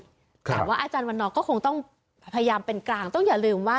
แต่ว่าอาจารย์วันนอร์ก็คงต้องพยายามเป็นกลางต้องอย่าลืมว่า